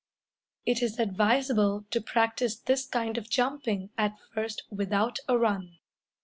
It is advisable to practice this kind of jumping at first without a run.